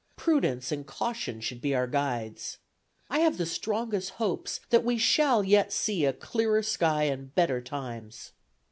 Prudence and caution should be our guides. I have the strongest hopes that we shall yet see a clearer sky and better times.